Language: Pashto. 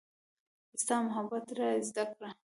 ستا محبت را زده کړه